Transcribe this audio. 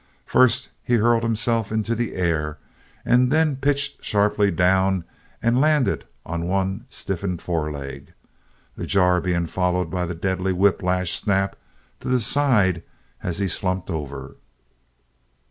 First he hurled himself into the air, then pitched sharply down and landed on one stiffened foreleg the jar being followed by the deadly whiplash snap to the side as he slumped over.